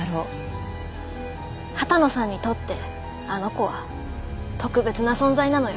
羽田野さんにとってあの子は特別な存在なのよ。